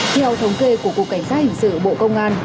theo thống kê của cục cảnh sát hình sự bộ công an